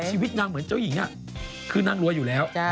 ชีวิตนางเหมือนเจ้าหญิงคือนางรวยอยู่แล้ว